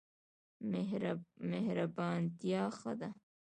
مهربانتیا ښه ده.